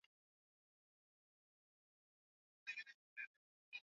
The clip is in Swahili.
uchafuzi wa hewa umewasilishwa katika ripoti hii Miongozo Inayoweza